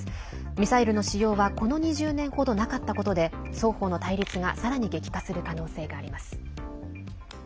ミサイルの使用はこの２０年程なかったことで双方の対立がさらに激化する可能性があります。